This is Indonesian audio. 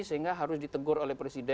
sehingga harus ditegur oleh presiden